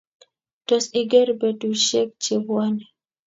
Tos, igeer betushiek chebwone?